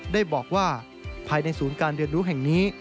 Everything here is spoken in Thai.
ได้บอกว่าภายในศูนย์การเรียนรู้แห่งนี้